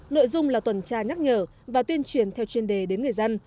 nội dung là tuần tra nhắc nhở và tuyên truyền theo chuyên đề đến người dân